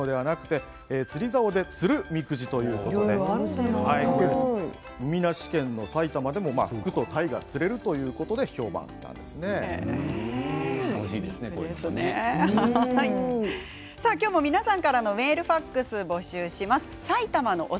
釣りざおで釣るおみくじということで海なし県の埼玉でも福と鯛が釣れるということで今日も皆さんからのメール、ファックスを募集します。